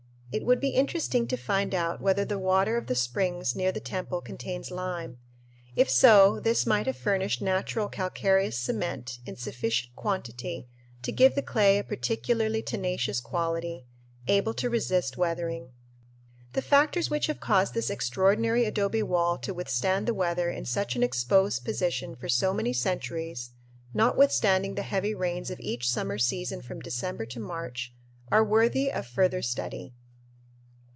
It would be very interesting to find out whether the water of the springs near the temple contains lime. If so this might have furnished natural calcareous cement in sufficient quantity to give the clay a particularly tenacious quality, able to resist weathering. The factors which have caused this extraordinary adobe wall to withstand the weather in such an exposed position for so many centuries, notwithstanding the heavy rains of each summer season from December to March, are worthy of further study.